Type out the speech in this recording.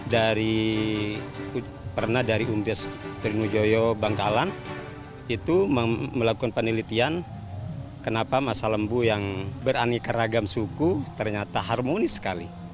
dari pernah dari undes trinujoyo bangkalan itu melakukan penelitian kenapa masa lembu yang beraneka ragam suku ternyata harmonis sekali